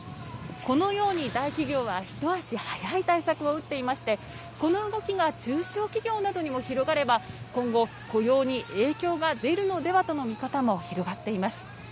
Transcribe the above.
このように大企業は一足早い対策を打っていましてこの動きが中小企業などにも広がれば今後、雇用に影響が出るのではという見方も広がっています。